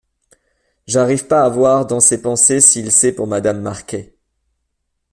J’arrive pas à voir dans ses pensées s’il sait pour Madame Marquet.